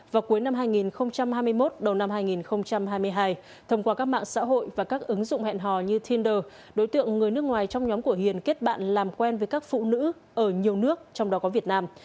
vào cuối năm hai nghìn hai mươi một đầu năm hai nghìn hai mươi hai thông qua các mạng xã hội và các ứng dụng hẹn hò như tender đối tượng người nước ngoài trong nhóm của hiền kết bạn làm quen với các phụ nữ ở nhiều nước trong đó có việt nam